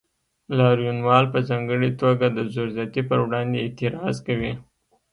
لاریونوال په ځانګړې توګه د زور زیاتي پر وړاندې اعتراض کوي.